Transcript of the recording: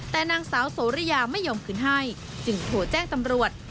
แต่นางสาวโสริยาไม่ยอมคืนให้จึงโทรแจ้งตำรวจ